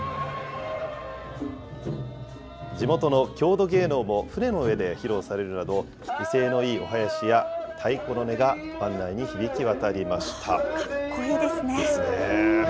地元の郷土芸能も船の上で披露されるなど、威勢のいいお囃子や太鼓の音が湾内に響き渡りました。